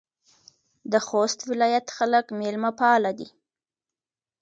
د خوست ولایت خلک میلمه پاله دي.